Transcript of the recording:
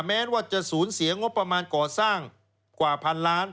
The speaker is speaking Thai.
แม้ว่าจะสูญเสียงบประมาณก่อสร้างกว่าพันล้าน